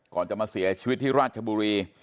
ก่อนจะมาเสียชีวิตที่ราชบุรี